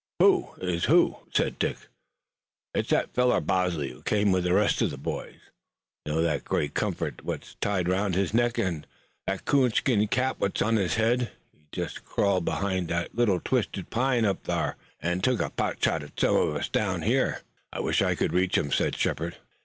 "Who is who?" said Dick. "It's that feller Bosley what came with the rest uv the boys. I know that gray comfort what's tied 'roun' his neck, an' the 'coonskin cap what's on his head. He jest crawled behind that little twisted pine up thar, an' took a pot shot at some uv us down here." "I wish I could reach him," said Shepard.